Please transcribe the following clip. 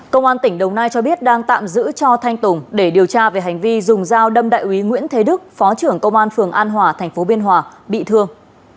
công an tỉnh đồng nai cho biết đang tạm giữ cho thanh tùng để điều tra về hành vi dùng dao đâm đại úy nguyễn thế đức phó trưởng công an phường an hòa thành phố biên hòa bị thương